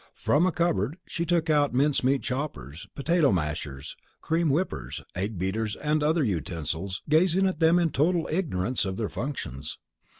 From a cupboard she took out mince meat choppers, potato mashers, cream whippers, egg beaters, and other utensils, gazing at them in total ignorance of their functions.